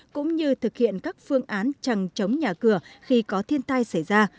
cũng như thực hiện các phương án chẳng chống nhà cửa khi có thiên tai xảy ra